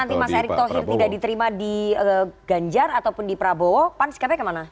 nanti mas erick thohir tidak diterima di ganjar ataupun di prabowo pan sikapnya kemana